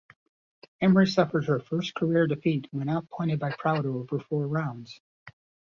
Emery suffered her first career defeat when outpointed by Prouder over four rounds.